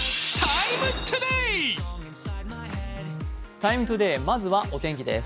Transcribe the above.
「ＴＩＭＥ，ＴＯＤＡＹ」、まずはお天気です。